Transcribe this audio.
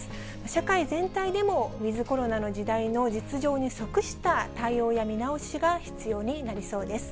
社会全体でもウィズコロナの時代の実情に即した対応や見直しが必要になりそうです。